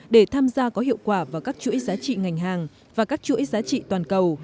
để tham gia có hiệu quả vào các chuỗi giá trị ngành hàng và các chuỗi giá trị toàn cầu